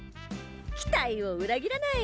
期待を裏切らない！